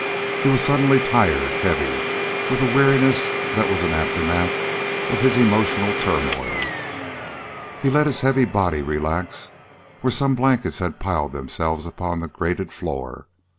He was suddenly tired, heavy with weariness that was an aftermath of his emotional turmoil. He let his heavy body relax where some blankets had piled themselves upon the grated floor.